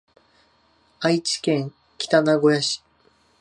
愛知県北名古屋市